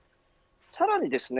さらにですね